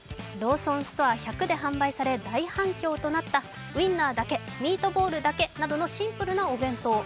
ローソンストア１００で販売され大反響となったウインナーだけ、ミートボールだけなどのシンプルなお弁当。